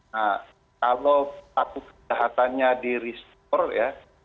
nah kalau satu kejahatannya di restore ya